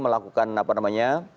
melakukan apa namanya